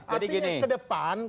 artinya ke depan